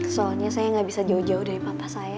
soalnya saya nggak bisa jauh jauh dari papa saya